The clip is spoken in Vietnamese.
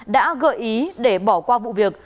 đã gợi ý để bỏ qua vụ việc